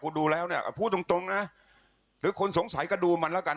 คุณดูแล้วเนี่ยพูดตรงตรงนะหรือคนสงสัยก็ดูมันแล้วกัน